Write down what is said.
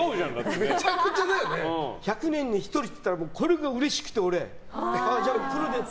１００年に１人ってこれがうれしくて、俺。